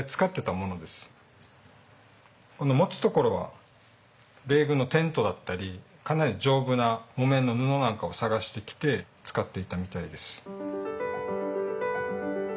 この持つところは米軍のテントだったりかなり丈夫な木綿の布なんかを探してきて使っていたみたいです。